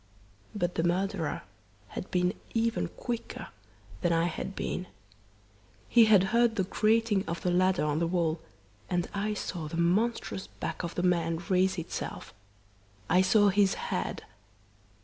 "But the murderer had been even quicker than I had been. He had heard the grating of the ladder on the wall, and I saw the monstrous back of the man raise itself. I saw his head.